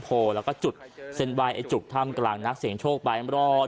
ถูกไหม